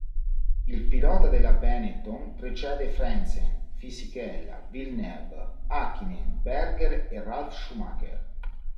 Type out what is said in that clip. Il pilota della Benetton precede Frentzen, Fisichella, Villeneuve, Häkkinen, Berger e Ralf Schumacher.